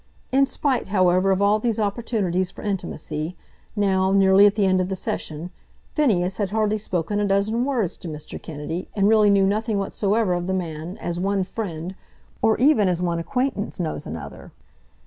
In spite, however, of all these opportunities for intimacy, now, nearly at the end of the session, Phineas had hardly spoken a dozen words to Mr. Kennedy, and really knew nothing whatsoever of the man, as one friend, or even as one acquaintance knows another.